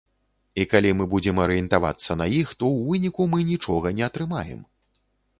І калі мы будзем арыентавацца на іх, то ў выніку мы нічога не атрымаем.